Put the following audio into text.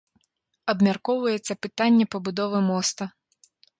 Абмяркоўваецца пытанне пабудовы моста.